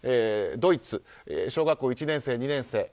ドイツは小学１年生、２年生。